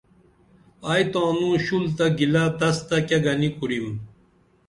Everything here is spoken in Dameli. ائی تانو شُل تہ گِلہ تس تہ کیہ گنی کُرِم